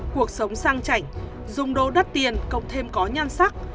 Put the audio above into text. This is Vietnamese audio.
cuộc sống sang chảnh dùng đồ đắt tiền cộng thêm có nhan sắc